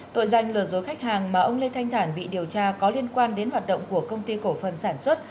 tội danh lừa dối khách hàng mà ông lê thanh thản bị điều tra có liên quan đến hoạt động của công ty cổ phần sản xuất